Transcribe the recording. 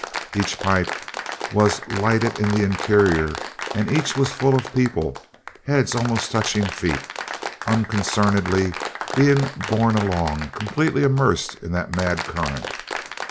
Each pipe was lighted in the interior, and each was full of people, heads almost touching feet, unconcernedly being borne along, completely immersed in that mad current.